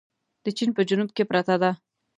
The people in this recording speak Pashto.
د چين په جنوب کې پرته ده.